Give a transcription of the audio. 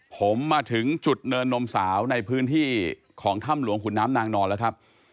ผมมาถึงจุดเนินนมสาวในพื้นที่ของถ้ำหลวงขุนน้ำนางนอนแล้วครับ